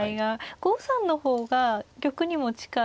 ５三の方が玉にも近い。